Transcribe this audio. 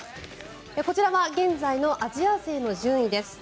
こちらが現在のアジア勢の順位です。